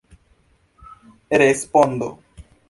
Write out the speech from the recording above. respondo